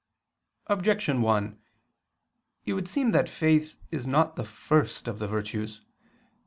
Objection 1: It would seem that faith is not the first of the virtues.